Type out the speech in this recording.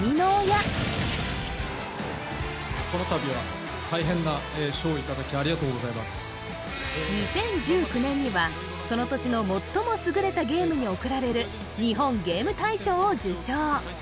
この度は大変な賞をいただきありがとうございます２０１９年にはその年の最も優れたゲームに贈られる日本ゲーム大賞を受賞